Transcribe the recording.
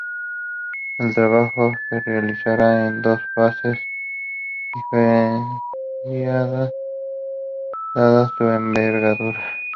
El trabajo se realizará en dos fases diferenciadas dada su envergadura.